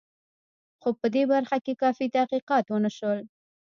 خو په دې برخه کې کافي تحقیقات ونه شول.